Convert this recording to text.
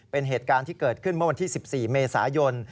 เป็นเหตุการณ์ที่เกิดขึ้นเมื่อวันที่๑๔เมษายน